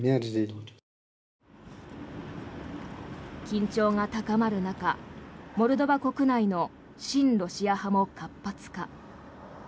緊張が高まる中モルドバ国内の親ロシア派も活発化。